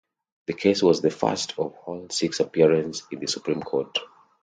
The case was the first of Hall's six appearances in the Supreme Court.